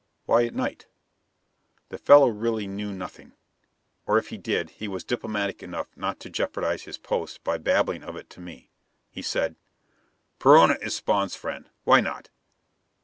"Why at night?" The fellow really knew nothing. Or if he did, he was diplomatic enough not to jeopardize his post by babbling of it to me. He said: "Perona is Spawn's friend. Why not?